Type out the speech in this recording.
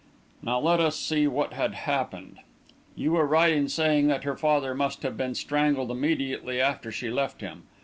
"Now let us see what had happened. You were right in saying that her father must have been strangled immediately after she left him.